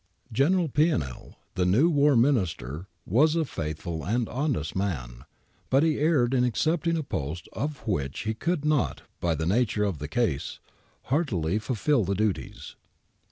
General Pianell, the new War Minister, was a faithful and honest man, but he erred in accepting a post of which he could not, by the nature of the case, heartily fulfil the duties.